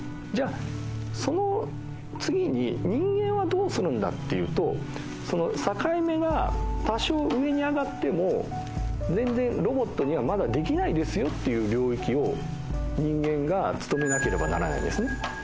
じゃあその次に人間はどうするんだっていうとその境目が多少上に上がっても全然ロボットにはまだできないですよっていう領域を人間が務めなければならないんですね。